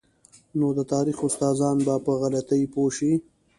نو د تاریخ استادان به په غلطۍ پوه شي.